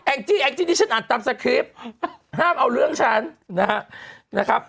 แอคนที่ชั้นอันตามสะคริปห้ามเอาเรื่องฉันนะครับ